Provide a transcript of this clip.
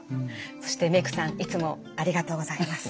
そして「メイクさんいつもありがとうございます」。